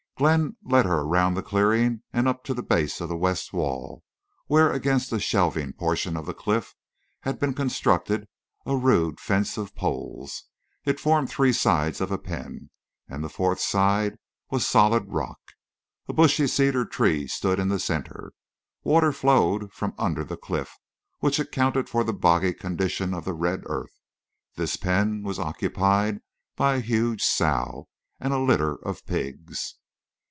Glenn led her around the clearing and up to the base of the west wall, where against a shelving portion of the cliff had been constructed a rude fence of poles. It formed three sides of a pen, and the fourth side was solid rock. A bushy cedar tree stood in the center. Water flowed from under the cliff, which accounted for the boggy condition of the red earth. This pen was occupied by a huge sow and a litter of pigs.